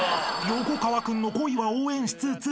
［横川君の恋は応援しつつ］